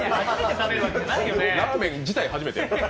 ラーメン自体初めて？